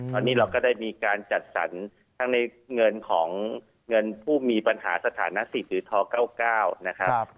ตอนนี้เราก็ได้มีการจัดสรรทั้งในเงินของเงินผู้มีปัญหาสถานะสิทธิ์หรือท๙๙นะครับ